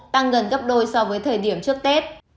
tăng gần gấp đôi so với thời điểm trước tết